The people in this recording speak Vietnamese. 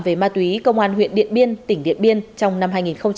về ma túy công an huyện điện biên tỉnh điện biên trong năm hai nghìn một mươi năm